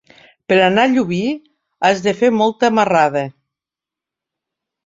Per anar a Llubí has de fer molta marrada.